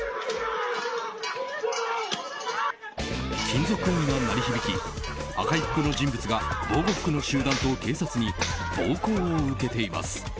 金属音が鳴り響き赤い服の人物が防護服の集団と警察に暴行を受けています。